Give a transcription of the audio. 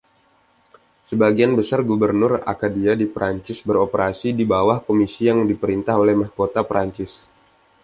Sebagian besar gubernur Acadia di Prancis beroperasi di bawah komisi yang diperintah oleh mahkota Prancis.